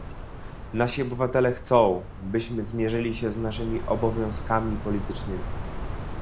Nasi obywatele chcą, byśmy zmierzyli się z naszymi obowiązkami politycznymi